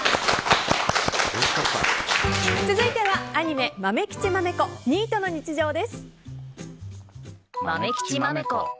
続いては、アニメ「まめきちまめこニートの日常」です。